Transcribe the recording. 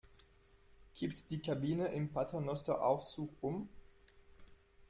Kippt die Kabine im Paternosteraufzug um?